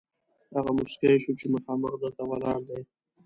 هغه موسکی شو چې مخامخ در ته ولاړ دی.